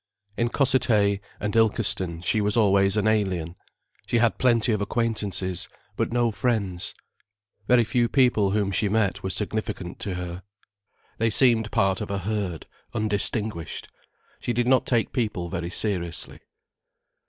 In Cossethay and Ilkeston she was always an alien. She had plenty of acquaintances, but no friends. Very few people whom she met were significant to her. They seemed part of a herd, undistinguished. She did not take people very seriously.